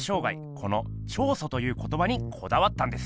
この「彫塑」ということばにこだわったんです。